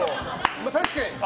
確かに。